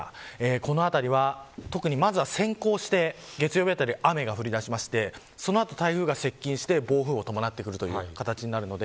この辺りは先行して月曜日あたり雨が降りだしてその後台風が接近して、暴風を伴ってくるという形になります。